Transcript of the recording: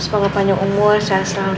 semoga panjang umur selalu ya kamu ya